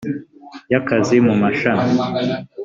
y akazi mu mashami